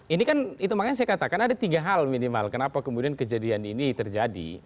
ini kan itu makanya saya katakan ada tiga hal minimal kenapa kemudian kejadian ini terjadi